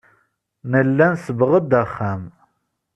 Nella nsebbeɣ-d axxam.